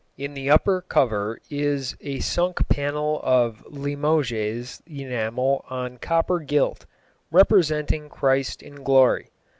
In the upper cover is a sunk panel of Limoges enamel on copper gilt, representing Christ in glory.